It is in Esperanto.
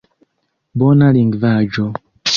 Bona lingvaĵo.